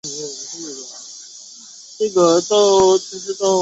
光学识别系统加入到第二代。